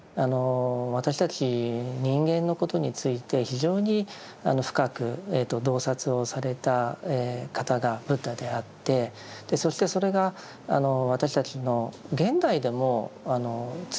私たち人間のことについて非常に深く洞察をされた方がブッダであってそしてそれが私たちの現代でも通用する悩み